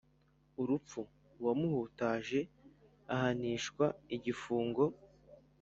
Urupfu uwamuhutaje ahanishwa igifungo